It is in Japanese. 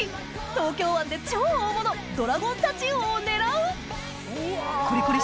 東京湾で超大物ドラゴンタチウオを狙うコリコリ